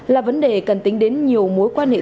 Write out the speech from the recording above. là vấn đề cần tính đến nhiều mối quan hệ